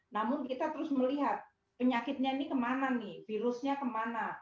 namun kita terus melihat penyakitnya ini kemana nih virusnya kemana